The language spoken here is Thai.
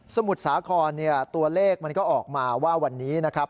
มุทรสาครตัวเลขมันก็ออกมาว่าวันนี้นะครับ